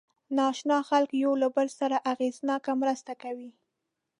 ناآشنا خلک له یو بل سره اغېزناکه مرسته کوي.